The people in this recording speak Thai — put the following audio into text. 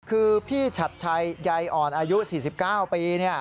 คือพี่ชัดชัยใยอ่อนอายุ๔๙ปี